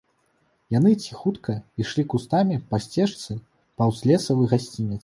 Яны ціхутка ішлі кустамі па сцежцы паўз лесавы гасцінец.